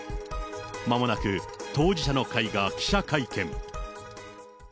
まもなく当事者の会が記者会見。